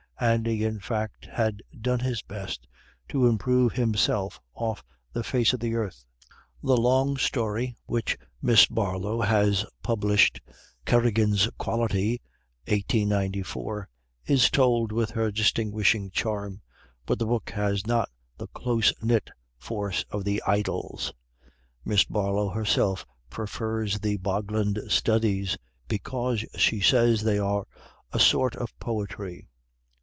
Andy, in fact, had done his best to improve himself off the face of the earth." The long story which Miss Barlow has published, 'Kerrigan's Quality' (1894), is told with her distinguishing charm, but the book has not the close knit force of the 'Idyls.' Miss Barlow herself prefers the 'Bogland Studies,' because, she says, they are "a sort of poetry."